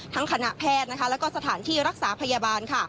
คณะแพทย์แล้วก็สถานที่รักษาพยาบาล